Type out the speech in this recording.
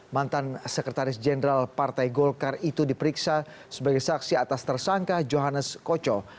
mantan sekretaris jenderal partai golkar itu diperiksa sebagai saksi atas tersangka johannes koco